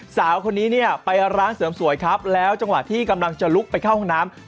สาวคนนี้เนี่ยไปร้านเสริมสวยครับแล้วจังหวะที่กำลังจะลุกไปเข้าห้องน้ำ